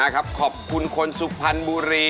ขอบคุณคนสุพรรณบุรี